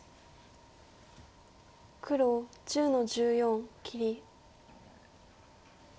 黒１０の十四切り。